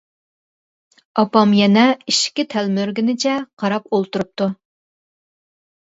ئاپام يەنە ئىشىككە تەلمۈرگىنىچە قاراپ ئولتۇرۇپتۇ.